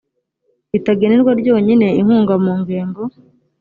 ritagenerwa ryonyine inkunga mu ngengo